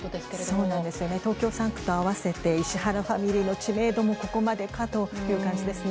そうなんですよね、東京３区と合わせて石原ファミリーの知名度もここまでかという感じですね。